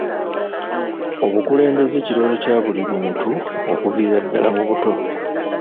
Obukulembeze kirooto kya buli muntu okuviira ddaala mu buto.